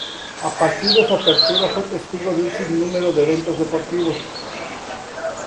A partir de su apertura fue testigo de un sinnúmero de eventos deportivos.